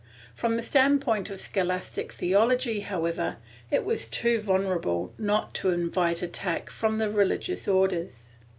From the standpoint of scholastic theology, however, it was too vulnerable not to invite attack from the religious Orders.